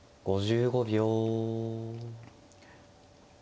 ５５秒。